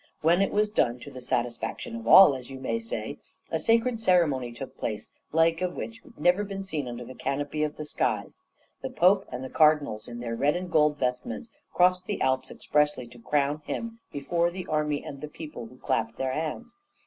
When it was done to the satisfaction of all, as you may say a sacred ceremony took place, the like of which was never seen under the canopy of the skies. The Pope and the cardinals, in their red and gold vestments, crossed the Alps expressly to crown him before the army and the people, who clapped their hands.